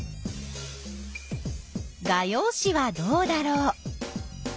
画用紙はどうだろう？